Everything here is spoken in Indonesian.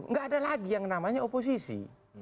nggak ada lagi yang namanya oposisi